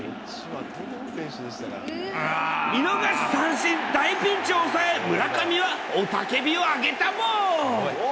見逃し三振、大ピンチを抑え、村上はおたけびを上げたボー。